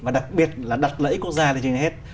và đặc biệt là đặt lẫy quốc gia lên trên hết